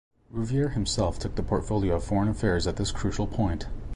Rouvier himself took the portfolio of foreign affairs at this crucial point.